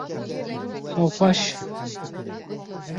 Xew xweş!